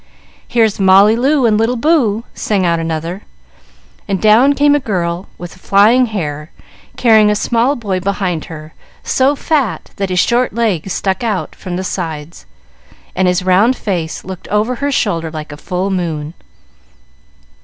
"Here's Molly Loo And little Boo!" sang out another; and down came a girl with flying hair, carrying a small boy behind her, so fat that his short legs stuck out from the sides, and his round face looked over her shoulder like a full moon.